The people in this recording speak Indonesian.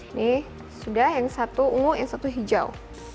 ini sudah yang satu ungu yang satu hijau